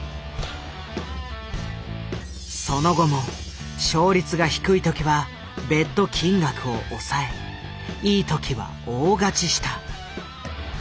その後も勝率が低い時はベット金額を抑えいい時は大勝ちした。